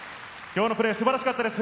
今日のプレー素晴らしかったです。